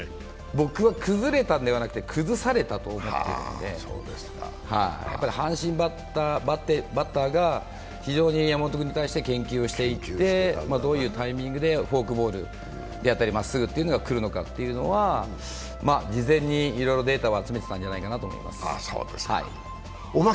僕は崩れたんではなくて崩されたと思っているので、阪神バッターが非常に山本君に対して研究していってどういうタイミングでフォークボールだったりまっすぐが来るのかというのは、事前にいろいろデータを集めていたんじゃないかなと思います。